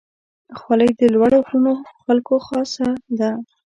خولۍ د لوړو غرونو خلکو خاصه ده.